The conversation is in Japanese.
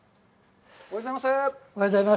おはようございます。